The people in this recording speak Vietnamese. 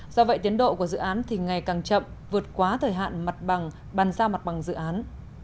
do vậy tiến độ của dự án thì ngày càng chậm vượt quá thời hạn mặt bằng bàn giao mặt bằng dự án